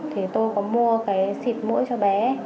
thì tôi có mua cái xịt mũi cho bé